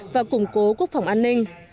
và củng cố quốc phòng an ninh